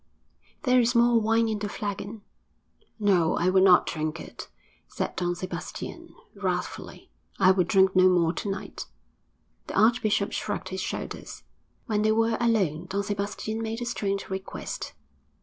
There is more wine in the flagon.' 'No, I will not drink it,' said Don Sebastian, wrathfully. 'I will drink no more to night.' The archbishop shrugged his shoulders. When they were alone, Don Sebastian made a strange request.